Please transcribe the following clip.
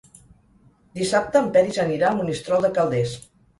Dissabte en Peris anirà a Monistrol de Calders.